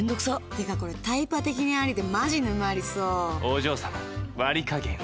てかこれタイパ的にありでマジ沼りそうお嬢さま割り加減は？